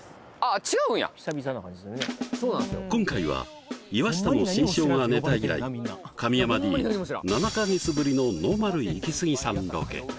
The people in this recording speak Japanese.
今回は岩下の新生姜ネタ以来神山Ｄ７カ月ぶりのノーマルイキスギさんロケあ